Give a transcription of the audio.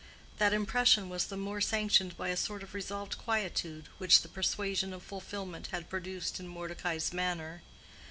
That impression was the more sanctioned by a sort of resolved quietude which the persuasion of fulfillment had produced in Mordecai's manner.